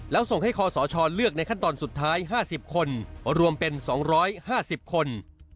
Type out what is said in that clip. แล้วส่งให้คอสชเลือกในขั้นตอนสุดท้าย๕๐คนรวมเป็น๒๕๐คน